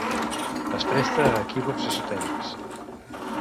Es presta a equívocs esotèrics.